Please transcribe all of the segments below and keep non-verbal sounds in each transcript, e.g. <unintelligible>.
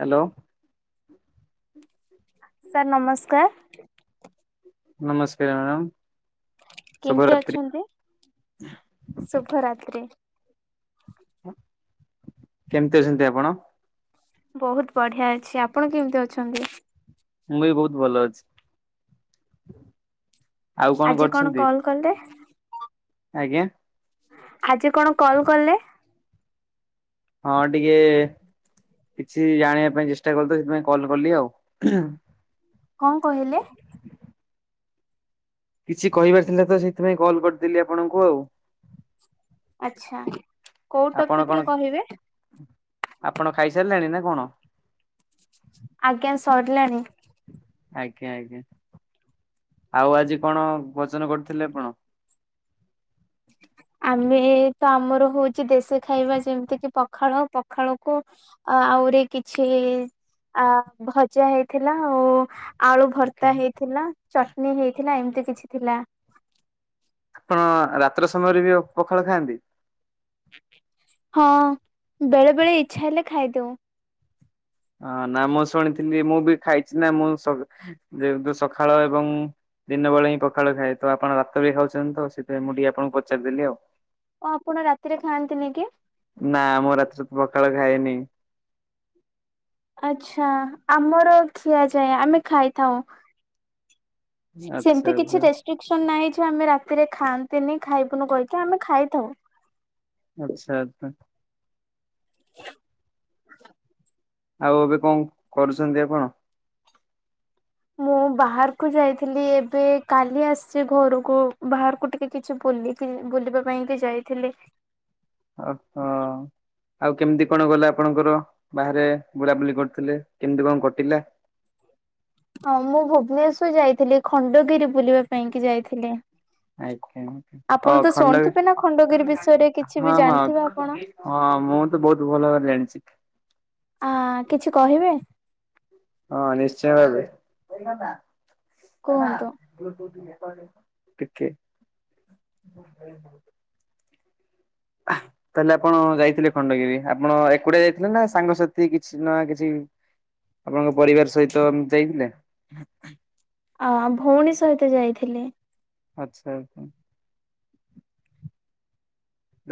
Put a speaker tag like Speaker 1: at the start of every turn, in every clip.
Speaker 1: Hello.
Speaker 2: Sir ନମସ୍କାର।
Speaker 1: ନମସ୍କାର madam.
Speaker 2: କେମିତି ଅଛନ୍ତି? ଶୁଭରାତ୍ରି।
Speaker 1: କେମିତି ଅଛନ୍ତି ଆପଣ?
Speaker 2: ବହୁତ ବଢିଆ ଅଛି, ଆପଣ କେମିତି ଅଛନ୍ତି?
Speaker 1: ମୁଁ ବି ବହୁତ ଭଲ ଅଛି। ଆଉ
Speaker 2: ଆଜି କଣ
Speaker 1: କରୁଛନ୍ତି
Speaker 2: କଲ୍ କଲେ?
Speaker 1: ଆଜ୍ଞା
Speaker 2: ଆଜି କଣ କଲ୍ କଲେ।
Speaker 1: ହଁ ଟିକେ କିଛି ଜାଣିବା ପାଇଁ ଚେଷ୍ଟା କରୁଥିଲି ସେଥିପାଇଁ କଲ କଲି ଆଉ।
Speaker 2: କଣ କହିଲେ?
Speaker 1: କିଛି କହିବାର ଥିଲା ତ ସେଇଥିପାଇଁ କଲ କରିଥିଲି ଆପଣଙ୍କୁ ଆଉ।
Speaker 2: ଆଚ୍ଛା। କୋଉ
Speaker 1: ଆପଣ
Speaker 2: ଟପିକ୍ ରେ
Speaker 1: କଣ
Speaker 2: କହିବେ?
Speaker 1: ଆପଣ ଖାଇସାରିଲେଣି ନା କଣ?
Speaker 2: ଆଜ୍ଞା ସରିଲାଣି।
Speaker 1: ଆଜ୍ଞା ଆଜ୍ଞା ଆଉ ଆଜି କଣ ଭୋଜନ କରିଥିଲେ ଆପଣ?
Speaker 2: ଆମେ ତ ଆମର ହେଉଛି ଦେଶୀ ଖାଇବା ଯେମିତି କିି ପଖାଳ ପଖାଳ କୁ ଆଉରି କିଛି ଆ ଭଜା ହେଇଥିଲା ଆଉ ଆଳୁଭର୍ତ୍ତା ହେଇଥିଲା ଚଟନୀ ହେଇଥିଲା ଏମିତି କିଛି ଥିଲା।
Speaker 1: ଅହଂ ରାତ୍ର ସମୟରେ ବି ପଖାଳ ଖାଆନ୍ତି?
Speaker 2: ହଁ ବେଳେ ବେଳେ ଇଛା ହେଲେ ଖାଇଦଉ।
Speaker 1: ହଁ ନା ମୁଁ ଶୁଣିଥିଲି ମୁଁ ବି ଖାଇଛି ନା ମୁଁ ଯେହେତୁ ସକାଳ ଏବଂ ଦିନବେେଳେ ହିଁ ପଖାଳ ଖାଏ, ତ ଆପଣ ରାତିରେ ଖାଉଛନ୍ତି ତ ସେଥିପାଇଁ ମୁଁ ଟିକେ ଆପଣଙ୍କୁ ପଚାରିଦେଲି ଆଉ।
Speaker 2: ଓ ଆପଣ ରାତିରେ ଖାଆନ୍ତିନି କି?
Speaker 1: ନା ମୁଁ ରାତିରେ ତ ପଖାଳ ଖାଏନି।
Speaker 2: ଆଚ୍ଛା ଆମର ଖିଆ ଯାଏ, ଆମେ ଖାଇଥାଉ।
Speaker 1: ଆଚ୍ଛା
Speaker 2: ସେମିତି କିଛି
Speaker 1: ଆଚ୍ଛା
Speaker 2: ରେସ୍ ଟ୍ରିକସନ୍ ନାହିଁ ଯେ ଆମେ ରାତିରେ ଖାଆନ୍ତିନି, ଖାଇବୁନୁ କହିକି, ଆମେ ଖାଇଥାଉ।
Speaker 1: ଆଚ୍ଛା, ତ ଆଉ ଏବେ କଣ କରୁଛନ୍ତି ଆପଣ?
Speaker 2: ମୁଁ ବାହାରକୁ ଯାଇଥିଲି ଏବେ କାଲି ଆସିଛି ଘରକୁ। ବାହାରକୁ ଟିକେ କିଛି ବୁଲିକି ବୁଲିବା ପାଇଁ କି ଯାଇଥିଲି।
Speaker 1: ଆଚ୍ଛା। ଆଉ କେମିତି କଣ ଗଲା ଆପଣଙ୍କର ବାହାରେ ବୁଲାବୁଲି କରିଥିଲେ କେମିତି କଣ କଟିଲା?
Speaker 2: ହଁ ମୁଁ ଭୁବନେଶ୍ଵର ଯାଇଥିଲି ଖଣ୍ଡଗିରି ବୁଲିବା ପାଇଁ କି ଯାଇଥିଲି।
Speaker 1: ଆଜ୍ଞା
Speaker 2: ଆପଣ
Speaker 1: ଓ,
Speaker 2: ତ ଶୁଣିଥିବେ
Speaker 1: ଖଣ୍ଡଗିରି,
Speaker 2: ନା ଖଣ୍ଡଗିରି ବିଷୟରେ କିଛି ବି
Speaker 1: ହଁ,
Speaker 2: ଜାଣିଥିବେ
Speaker 1: ହଁ।
Speaker 2: ଆପଣ?
Speaker 1: ହଁ ମୁଁ ତ ବହୁତ ଭଲ ଭାବରେ ଜାଣିଚି।
Speaker 2: ଆ, କିଛି କହିବେ?
Speaker 1: ହଁ ନିଶ୍ଚୟ ଭାବେ।
Speaker 2: କୁହନ୍ତୁ
Speaker 1: ଟିକେ ଆଃ, ତାହେଲେ ଆପଣ ଯାଇଥିଲେ ଖଣ୍ଡଗିରି? ଆପଣ ଏକୁଟିଆ ଯାଇଥିଲେ ନା ସାଙ୍ଗସାଥି କିଛି ନା କିଛି ଆପଣଙ୍କ ପରିବାର ସହିତ ଯାଇଥିଲେ?
Speaker 2: ଅ, ଭଉଣୀ ସହିତ ଯାଇଥିଲି।
Speaker 1: ଆଚ୍ଛା <inaudible>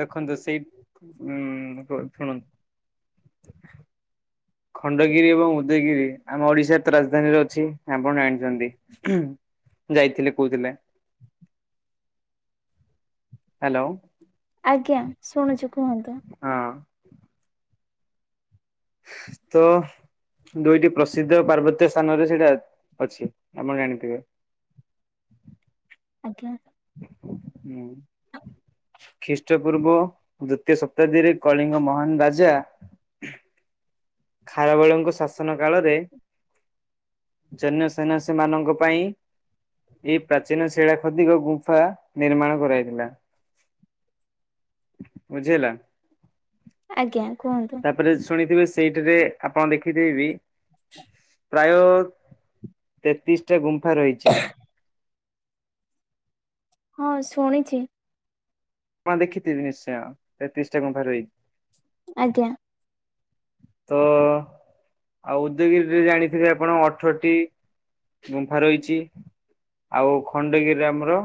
Speaker 1: ଦେଖନ୍ତୁ ସେଇ ଉଁ, କ-ଶୁଣ ଖଣ୍ଡଗିରି ଏବଂ ଉଦୟଗିରି ଆମ ଓଡ଼ିଶାର ତ ରାଜଧାନୀରେ ଅଛି, ଆପଣ ଜାଣିଛନ୍ତି। ଯାଇଥିଲେ କହୁଥିଲେ। ହେଲୋ।
Speaker 2: ଆଜ୍ଞା ଶୁଣୁଛୁ କୁହନ୍ତୁ।
Speaker 1: ହଁ। ତ ଦୁଇଟି ପ୍ରସିଦ୍ଧ ପାର୍ବତ୍ୟ ସ୍ଥାନରେ ସେଇଟା ଅଛି ଆପଣ ଜାଣିଥିବେ।
Speaker 2: ଆଜ୍ଞା।
Speaker 1: ହୁଁ। ଖ୍ରୀଷ୍ଟପୂର୍ବ ଦ୍ଵିତୀୟ ଶତାବ୍ଦୀରେ କଳିଙ୍ଗ ମହାନ ରାଜା ଖାରବେଳଙ୍କ ଶାସନ କାଳରେ ଜୈନ୍ୟସନ୍ନ୍ୟାସୀମାନଙ୍କ ପାଇଁ ଏଇ ପ୍ରାଚୀନ ଶିଳା ଖଦିକ ଗୁମ୍ଫା ନିର୍ମାଣ କରାଯାଇଥିଲା। ବୁଝି ହେଲା?
Speaker 2: ଆଜ୍ଞା କୁହନ୍ତୁ।
Speaker 1: ତାପରେ ଶୁଣିଥିବେ ସେଇଠିରେ ଆପଣ ଦେଖିଥିବେବି ପ୍ରାୟ ତେତିଶ ଟା ଗୁମ୍ଫା ରହିଚି।
Speaker 2: ହଁ ଶୁଣିଛି।
Speaker 1: ହଁ ଦେଖିଥିବେ ନିଶ୍ଚୟ ତେତିଶ ଟା ଗୁମ୍ଫା ରଇ
Speaker 2: ଆଜ୍ଞା।
Speaker 1: ତ ଆଉ ଉଦୟଗିରିରେ ଜାଣିଥିବେ ଆପଣ ଅଠରଟି ଗୁମ୍ଫା ରହିଛି। ଆଉ ଖଣ୍ଡଗିରିରେ ଆମର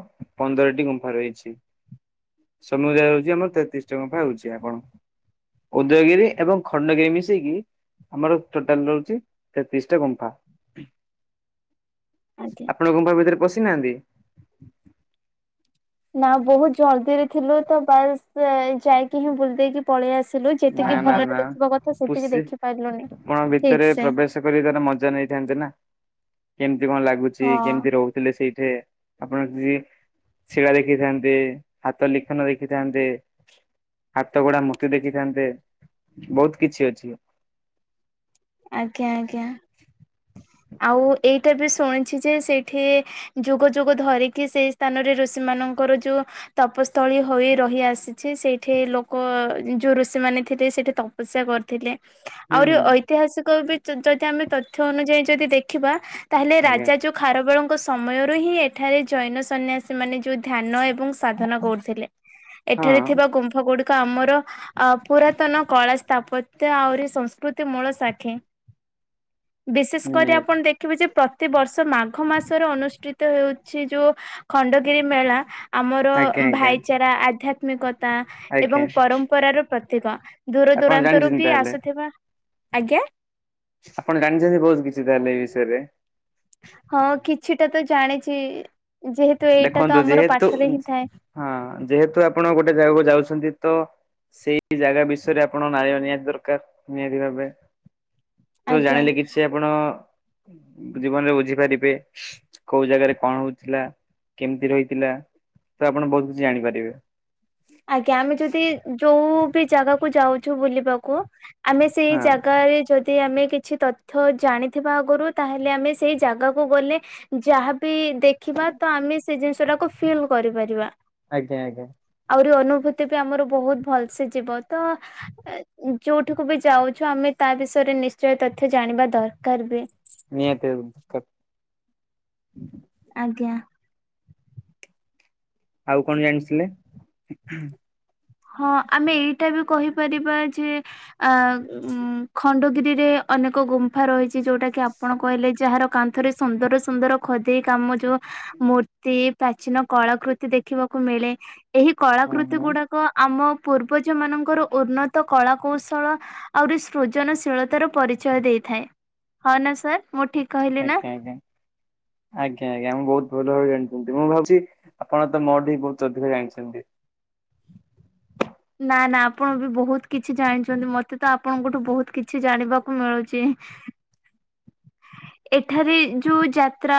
Speaker 1: ପନ୍ଦରଟି ଗୁମ୍ଫା ରହିଛି। ସମୁଦାୟ ହଉଛି ଆମର ତେତିଶ ଗୁମ୍ଫା ହଉଛି ଆପଣ ଉଦୟଗିରି ଏବଂ ଖଣ୍ଡଗିରି ମିଶେଇକି ଆମର ଟୋଟାଲ ରହୁଛି ତେତିଶଟା ଗୁମ୍ଫା।
Speaker 2: ଆଜ୍ଞା।
Speaker 1: ଆପଣ ଗୁମ୍ଫା ଭିତରେ ପଶିନାହାନ୍ତି।
Speaker 2: ନା ବହୁତ ଜଲଦି ରେ ଥିଲୁ ତ ବାସ୍ ଅ ଯାଇକି ହିଁ ବୁଲି ଦେଇକି ପଳେଇ ଆସିଲୁ
Speaker 1: ନା
Speaker 2: ଯେତିକି
Speaker 1: ନା ନା
Speaker 2: ଭଲରେ ଦେଖିବା କଥା ସେତିକି
Speaker 1: ପୁଷି
Speaker 2: ଦେଖି ପାରିଲୁନି ଠିକ ସେ।
Speaker 1: ଚାଷ କରିବାର ମଜା ନେଇଥାନ୍ତେ ନା। କେମିତି କଣ ଲାଗୁଛି
Speaker 2: ହଁ
Speaker 1: କେମିତି ରହୁ ଥିଲେ ସେଇଠେ, ଆପଣ <unintelligible> ଶିବା ଦେଖିଥାନ୍ତେ, ହାତ ଲିଖନ ଦେଖିଥାନ୍ତେ। ହାତ ଗଢ଼ା ମୂର୍ତ୍ତି ଦେଖିଥାନ୍ତେ ବହୁତ କିଛି ଅଛି।
Speaker 2: ଆଜ୍ଞା ଆଜ୍ଞା। ଆଉ ଏଇଟା ବି ଶୁଣିଛି ଯେ ସେଇଠି ଯୁଗ ଯୁଗ ଧରିକି ସେଇ ସ୍ଥାନରେ ଋଷି ମାନଙ୍କର ଯୋଉ ତପସ୍ଥଳୀ ହୋଇ ରହି ଆସିଛି ସେଇଠି ଲୋକ ଯୋଉ ଋଷିମାନେ ଥିଲେ ସେଠି ତପ ପସ୍ୟା କରିଥିଲେ।
Speaker 1: ହୁଁ
Speaker 2: ଆହୁରି
Speaker 1: ହୁଁ
Speaker 2: ଐତିହାସିକ ବି ଯ ଯଦି ଆମେ ତଥ୍ୟ ଅନୁଯାୟୀ ଯଦି ଦେଖିବା ତାହେଲେ
Speaker 1: ଆଜ୍ଞା
Speaker 2: ରାଜା ଯୋ ଖାରବେଳଙ୍କ ସମୟରୁ ହିଁ ଏଠାରେ ଜୈନ ସନ୍ନ୍ୟାସୀ ମାନେ ଯୋଉ ଧ୍ୟାନ ଏବଂ ସାଧନା କରୁଥିଲେ। ଏଠାରେ
Speaker 1: ହଁ
Speaker 2: ଥିବା ଗୁମ୍ଫ ଗୁଡିକ ଆମର ଅ ପୁରାତନ କଳା ସ୍ଥାପ ତ୍ୟ ଆହୁରି ସଂସ୍କୃତି ମୂଳ ସାଖି। ବିଶେଷ କରି
Speaker 1: ନିହାତି
Speaker 2: ଆପଣ ଦେଖିବେ ଯେ ପ୍ରତିବର୍ଷ ମାଘ ମାସର ଅନୁଷ୍ଠିତ ହେଉ ଛି ଯୋଉ ଖଣ୍ଡଗିରି ମେଳା ଆମର
Speaker 1: ଆଜ୍ଞା
Speaker 2: ଉଁ
Speaker 1: ଆଜ୍ଞା
Speaker 2: ଭାଇଚାରା ଆଧ୍ୟା ତ୍ମିକତା
Speaker 1: ଆଜ୍ଞା
Speaker 2: ଏବଂ ପରମ୍ପରାର ପ୍ରତୀକ। ଦୂର
Speaker 1: ଆପଣ
Speaker 2: ଦୂରାନ୍ତରୁ
Speaker 1: ଜାଣିଛନ୍ତି
Speaker 2: ବି
Speaker 1: ତାହେଲେ
Speaker 2: ଆସୁଥିବା, ଆଜ୍ଞା।
Speaker 1: ଆପଣ ଜାଣିଛନ୍ତି ବହୁତ କିଛି ତାହେଲେ ଏଇ ବିଷୟରେ।
Speaker 2: ହଁ କିଛିଟା ତ ଜାଣିଛି ଯେହେତୁ ଏଇଟା ତ
Speaker 1: ଦେଖନ୍ତୁ
Speaker 2: ଆମର
Speaker 1: ଯେହେତୁ
Speaker 2: ପାଠରେ ହିଁ ଥାଏ।
Speaker 1: ହଁ ଯେହେତୁ ଆପଣ ଗୋଟେ ଜାଗାକୁ ଯାଉଛନ୍ତି ତ ସେଇ ଟି ଜାଗା ବିଷୟରେ ଆପଣ <unintelligible> ନିହାତି ଦରକାର ନିହାତି ଭାବେ। ତୁ
Speaker 2: ଆଜ୍ଞା
Speaker 1: ଜାଣିଲେ କିଛି ହେ ଆପଣ ଜୀବନରେ ବୁଝିପାରିବେ କୋଉ ଜାଗାରେ କଣ ହଉଥିଲା? କେମିତି ରହିଥିଲା ତ ଆପଣ ବହୁତ କିଛି ଜାଣିପାରିବେ।
Speaker 2: ଆଜ୍ଞା ଆମେ ଯଦି ଯୋଉ ବି ଜାଗାକୁ ଯାଉଛୁ ବୁଲିବାକୁ ଆମେ ସେଇ
Speaker 1: ହଁ
Speaker 2: ଜାଗାରେ ଯଦି ଦି ଆମେ କିଛି ତଥ୍ୟ ଜାଣିଥିବା ଆଗରୁ ତାହେଲେ ଆମେ ସେଇ ଜାଗାକୁ ଗଲେ ଯାହା ବି ଦେଖିବା ତ ଆମେ ସେ ଜିନିଷ ଟାକୁ ଫିଲ୍ କରିପାରିବା।
Speaker 1: ଆଜ୍ଞା ଆଜ୍ଞା।
Speaker 2: ଆହୁରି ଅନୁଭୂତି ବି ଆମର ବହୁତ ଭଲସେ ଯିବ ତ। ଅ ଯୋଉଠିକୁ ବି ଯାଉଛୁ ଆମେ ତା ବିଷୟରେ ନିଶ୍ଚୟ ତଥ୍ୟ ଜାଣିବା ଦରକାର ବି।
Speaker 1: ନିହାତି <unintelligible>
Speaker 2: ଆଜ୍ଞା।
Speaker 1: ଆଉ କଣ ଜାଣିଥିଲେ?
Speaker 2: ହଁ ଆମେ ଏଇଟା ବି କହିପାରିବା ଯେ ଅ ଉଁ ଖଣ୍ଡଗିରିରେ ଅନେକ ଗୁମ୍ଫା ରହିଛି ଯଉଟାକି ଆପଣ କହିଲେ ଯାହାର କାନ୍ଥରେ ସୁନ୍ଦର ସୁନ୍ଦର ଖଦେଇ କାମ ଯଉ ମୂର୍ତ୍ତି ପ୍ରାଚୀନ କଳାକୃତି ଦେଖିବାକୁ ମିଳେ ଏହି
Speaker 1: ହଁ
Speaker 2: କଳାକୃତି
Speaker 1: ହଁ
Speaker 2: ଗୁଡ଼ା କ ଆମ ପୂର୍ବଜ ମାନଙ୍କର ଉର୍ନ୍ନତ କଳା କୌଶଳ ଆହୁରି ସୃଜନଶୀଳତାର ପରିଚୟ ଦେଇଥାଏ। ହଁ ନା ସାର୍ ମୁଁ ଠିକ୍-
Speaker 1: ଆଜ୍ଞା ଆଜ୍ଞା। ଆଜ୍ଞା ଆଜ୍ଞା। ମୁଁ ବହୁତ୍ ଭଲ ଭାବରେ ଜାଣିଚନ୍ତି। ମୁଁ ଭାବୁଚି ଆପଣ ତ ମୋ <unintelligible> ବହୁତ୍ ଅଧିକ ଜାଣିଚନ୍ତି।
Speaker 2: ନା ନା ଆପଣ ବି ବହୁତ୍ କିଛି ଜାଣିଚନ୍ତି ମତେ ତ ଆପଣଙ୍କଠୁ ବହୁତ୍ କିଛି ଜାଣିବାକୁ ମିଳୁଚି। ଏଠାରେ ଯୋଉ ଯାତ୍ରା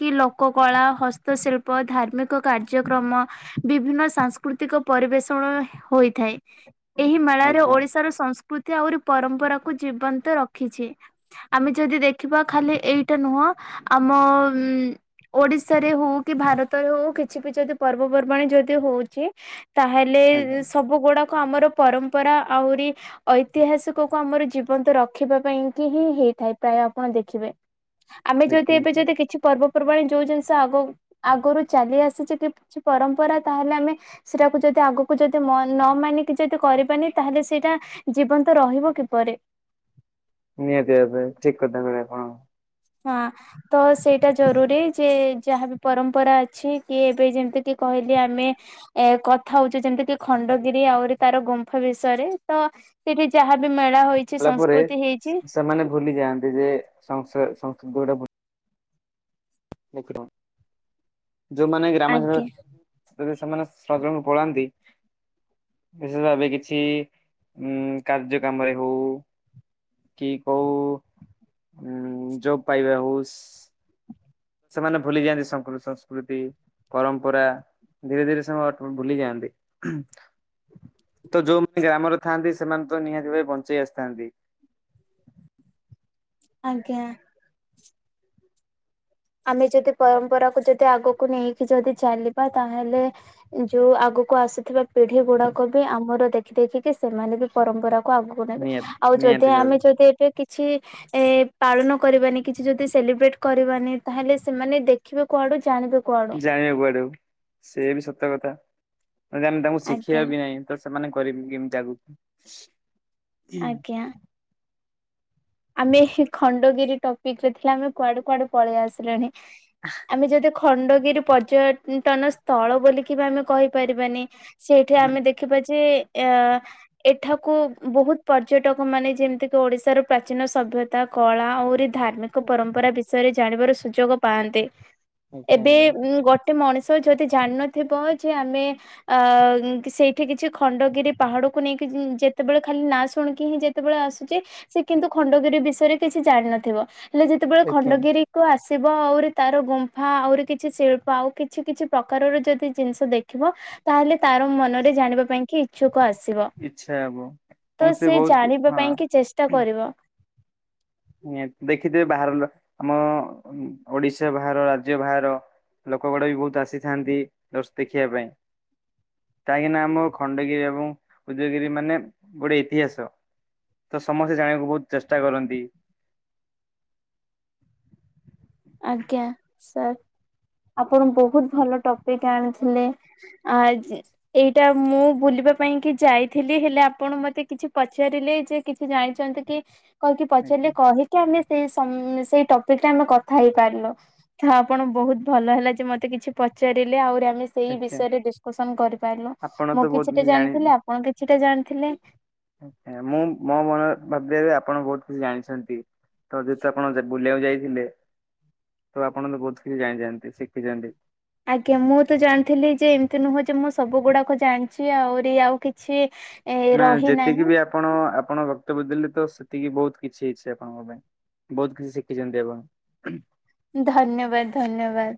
Speaker 2: କି ଲୋକ କଳା ହସ୍ତଶିଳ୍ପ ଧାର୍ମିକ କାର୍ଯ୍ୟକ୍ରମ ବିଭିନ୍ନ ସାଂସ୍କୃତିକ ପରିବେଷଣ ହିଁ ହୋଇଥାଏ। ଏହି ମେଳାରେ
Speaker 1: ଆଜ୍ଞା
Speaker 2: ଓଡି଼ଶାର ସଂସ୍କୃତି ଆଉରି ପରମ୍ପରାକୁୁ ଜୀବନ୍ତ ରଖିଚି ଆମେ ଯଦି ଦେଖିବା ଖାଲି ଏଇଟା ନୁହଁ ଆମ ଉଁ ଓଡି଼ଶାରେ ହୋଉ କି ଭାରତରେ ହୋଉ କିଛି ପି ଯଦି ପର୍ବପର୍ବାଣି ଯଦି ହଉଚି ତାହେଲେ
Speaker 1: ଆଜ୍ଞା
Speaker 2: ସବୁ ଗୁଡ଼ାକ ଆମର ପରମ୍ପରା ଆହୁରି ଐତିହାସିକୁ ଆମର ଜୀବନ୍ତ ରଖିବା ପାଇଁ କିି ହିଁ ହେଇଥାଏ। ପ୍ରାୟେ ଆପଣ ଦେଖିବେ ଆମେ ଯଦି
Speaker 1: ଆଜ୍ଞା।
Speaker 2: ଏବେ ଯଦି କିଛି ପର୍ବପର୍ବାଣି ଯୋଉ ଜିନ୍ଷ ଆଗ ଆଗରୁ ଚାଲି ଆସିଚି କି କିଛି ପରମ୍ପରା ତାହେଲେ ଆମେ ସେଇଟାକୁ ଯଦି ଆଗକୁ ଯଦି ମ ନ ମାନିକି ଯଦି କରିବନି ତାହେଲେ ସେଇଟା ଜୀବନ୍ତ ରହିବ କିପରି।
Speaker 1: ନିଆତି ଭାବେ ଠିକ୍ କଥା କହିଲେ ଆପଣ।
Speaker 2: ହଁ। ତ ସେଇଟା ଜରୁରୀ ଯେ ଯାହା ବି ପରମ୍ପରା ଅଛି କି ଏବେ ଯେମିତି କିି କହିଲି ଆମେ ଏ କଥା ହଉଚେ ଯେମିତି କି ଖଣ୍ଡଗିରି ଆହୁରି ତାର ଗୁମ୍ଫା ବିଷୟରେ ତ ତିରି ଯାହାବି ମେଳା ହୋଇ
Speaker 1: କଲା ପରେ ସ ସେମାନେ ଭୁଲି ଯାଆନ୍ତି ଯେ ସଂସା ସଂସ୍କୃଟା ଭୁ <unintelligible> ଯୋଉମାନେ ଗ୍ରାମାଘର
Speaker 2: ଆଜ୍ଞା
Speaker 1: ଯଦି ସେମାନେ ଶ୍ରଜମ କୁ ପଳାନ୍ତି ବିଶେଷ ଭାବେ କିଛି ଉଁ କାର୍ଯ୍ୟ କାମରେ ହଉ କି କଉ ଉଁ ଜବ୍ ପାଇବା ହଉ ସ୍ ସେମାନେ ଭୁଲି ଯାଆନ୍ତି ସଂକୃ ସଂସ୍କୃତି ପରମ୍ପରା। ଧୀରେ ଧୀରେ ସେମ ଟ୍ ଭୁଲି ଯାଆନ୍ତି। ତ ଯୋଉ ଗ୍ରାମ ରେ ଥାଆନ୍ତି ସେମାନେ ତ ନିହାତି ଭବେ ବଞ୍ଚେଇ ଆସ୍ଥାନ୍ତି।
Speaker 2: ଆଜ୍ଞା। ଆମେ ଚଦି ପରମ୍ପରାକୁ ଯଦି ଆଗକୁ ନେଇକି ଯଦି ଚାଲିବା ତାହେଲେ ଯୋଉ ଆଗକୁ ଆସିଥିବା ପିଢ଼ି ଗୁଡ଼ାକ ବି ଆମର ଦେଖି ଦେଇଖିକି ସେମାନେ ବି ପରମ୍ପରା କୁ ଆଗୁକୁ ନେବେ
Speaker 1: ନିହାତି
Speaker 2: ଆଉ ଯଦି
Speaker 1: ନିହାତି
Speaker 2: ଆମେ
Speaker 1: ଭାବେ
Speaker 2: ଯଦି ଏବେ କିଚ୍ ଛି ଏ ପାଳନ କରିବାନି କିଛି ଯଦି ସେଲିବ୍ରେଟ୍ କରିବାନି ତାହେଲେ ସେମାନେ ଦେଖିବେ କୁଆଡ଼ୁ ଜାଣିବେ କୁଆଡ଼ୁ।
Speaker 1: ଜାଣିବେ କୁଆଡ଼ୁ ସିଏ ବି ସତ କଥା ଜଦି ଆମେ ତାଙ୍କୁ ଶିଖେବା
Speaker 2: ଆଜ୍ଞା
Speaker 1: ବି ନାଇଁ ତ ସେମାନେ କରିବେ କେମିତି ଆଗକୁ।
Speaker 2: ଆଜ୍ଞା। ଆମେ ହି ଖଣ୍ଡଗିରି ଟପିକ୍ ରେ ଥିଲା ଆମେ କୁଆଡ଼ୁ କୁଆଡ଼ୁ ପଳେଇ ଆସିଲେଣି ଆମେ ଯଦି ଖଣ୍ଡଗିରି ପର୍ଯ୍ୟୟଟନ ସ୍ଥଳ ବୋଲିକିବି ଆମେ କହିପାରିବାନି। ସେଇଠି ଆମେ
Speaker 1: ଆଜ୍ଞା
Speaker 2: ଦେଖିବା ଯେ ଏଆ ଏଠାକୁ ବହୁତ୍ ପର୍ଯ୍ୟଟକ ମାନେ ଯେମିତିକି ଓଡ଼ିଶାରୁ ପ୍ରାଚୀନ ସଭ୍ୟତା କଳା ଅଉରି ଧାର୍ମିକ ପରମ୍ପରା ବି ଷୟରେ ଜାଣିବାରୁ ସୁଯୋଗ ପାଆନ୍ତେ
Speaker 1: ଆଜ୍ଞା
Speaker 2: ଏବେ ଉଁ ବଟ୍ ଟେ ମଣିଷ ଯଦି ଜାଣିନଥିବ ଯେ ଆମେ ଆ ଉଁ କି ସେଇଠି କିଛି ଖଣ୍ଡଗିରି ପାହାଡ଼କୁ ନେଇକି ଉଁ ଯେତେବେଳେ ଖାଲି ନାଁ ଶୁଣିକି ହିଁ ଯେ ଯେତେବେଳେ ଆସୁଚେ ସେ କିନ୍ତୁ ଖଣ୍ଡଗିରି ବିଷୟରେ କିଛି ଜାଣିନଥିବ ହେଲେ ଯେତେବେଳେ
Speaker 1: ଆଜ୍ଞା।
Speaker 2: ଖଣ୍ଡଗିରି କୁ ଆସିବ ଆଉରି ତାର ଗୁମ୍ଫା ଆଉରି କିଛି ଶିଳ୍ପ ଆଉ କିଛି କିଛି ପ୍ରକାରର ଯଦି ଜିନିଷ ଦେଖିବ ତାହେଲେ ତାର ମନରେ ଜାଣିବା ପାଇଁ କି ଇଛୁକ ଆସିବ
Speaker 1: ଇଚ୍ଛା ହବ
Speaker 2: ତ
Speaker 1: ଏବଂ
Speaker 2: ସେ
Speaker 1: ବହୁତ
Speaker 2: ଜାଣିବା
Speaker 1: ହଁ
Speaker 2: ପାଇଁ କି ଚେଷ୍ଟା କରିବ।
Speaker 1: ଦେଖିଥିବେ ବାହାର ଆମ ଓଡିଶା ବାହାର ରାଜ୍ୟ ବାହାର ଲୋକ ଗୁଡା ବି ବହୁତ ଆସିଥାନ୍ତି <unintelligible> ଦେଖିବା ପାଇଁ। କାହିଁକିନା ଆମ ଖଣ୍ଡଗିରି ଏବଂ ଉଦୟଗିରି ମାନେ ଗୋଟେ ଇତିହାସ। ତ ସମସ୍ତେ ଜାଣିବାକୁ ବହୁତ ଚେଷ୍ଟା କରନ୍ତି।
Speaker 2: ଆଜ୍ଞା ସାର୍, ଆପଣ ବହୁତ ଭଲ ଟପିକ ଆଣିଥିଲେ। ଆଜ ଏଇଟା ମୁଁ ବୁଲିବା ପାଇଁ କି ଯାଇଥିଲି ହେଲେ ଆପଣ ମତେ କିଛି ପଚାରିଲେ ଯେ କିଛି ଜାଣିଛନ୍ତି କି କହିକି
Speaker 1: ଆଜ୍ଞା
Speaker 2: ପଚାରିଲେ କହିକି ଆମେ ସେ ସେଇ ଟପିକରେ ଆମେ କ ଥାଇ ପାରିଲ ତ ଆପଣ ବହୁତ ଭଲ ହେଲା ଯେ ମତେ କିଛି ପଚାରିଲେ ଆହୁରି ଆମେ ସେଇ
Speaker 1: ଆଜ୍ଞା
Speaker 2: ବିଷୟରେ ଡିସକସନ କରିପାରିଲୁ
Speaker 1: ଆପଣ ତ
Speaker 2: ମୁଁ
Speaker 1: ବହୁତ
Speaker 2: କିଛିଟା
Speaker 1: କିଛି ଜାଣି
Speaker 2: ଜାଣିଥିଲି ଆପଣ କିଛିଟା ଜାଣିଥିଲେ।
Speaker 1: ମୁଁ ମୋ ମନ ଭାବି ଭାବି ଆପଣ ବହୁତ କିଛି ଜାଣିଛନ୍ତି। ତ ଯେହେତୁ ଆପଣ ବୁଲିବାକୁ ଯାଇଥିଲେ ତ ଆପଣ ତ ବହୁତ କିଛି ଜାଣିଯାଆନ୍ତି ଶିଖିଯାଆନ୍ତି।
Speaker 2: ଆଜ୍ଞା ମୁଁ ତ ଜାଣିଥିଲି ଯେ ଏମିତି ନୁହଁ ଯେ ମୁଁ ସବୁ ଗୁଡାକ ଜାଣିଛି ଆହୁରି ଆଉ କିଛି ଏ
Speaker 1: ନା ଯେତିକି
Speaker 2: ରହିନାହିଁ
Speaker 1: ବି ଆପଣ ଆପଣ ବକ୍ତବ୍ୟ ଦେଲେ ତ ସେତିକି ବହୁତ କିଛି ହେଇଛି ଆପଣଙ୍କ ପାଇଁ। ବହୁତ କିଛି ଶିଖିଛନ୍ତି ଆପଣ।
Speaker 2: ଧନ୍ୟବାଦ ଧନ୍ୟବାଦ।